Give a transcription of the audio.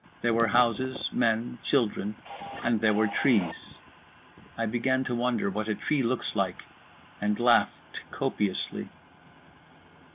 There were houses, men, children. And there were trees. I began to wonder what a tree looks like, and laughed copiously.